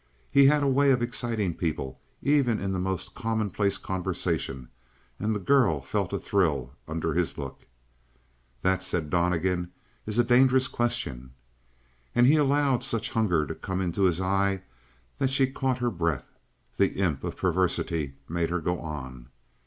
He had a way of exciting people even in the most commonplace conversation, and the girl felt a thrill under his look. "That," said Donnegan, "is a dangerous question." And he allowed such hunger to come into his eye that she caught her breath. The imp of perversity made her go on.